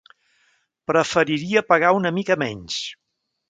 Preferiria pagar una mica menys.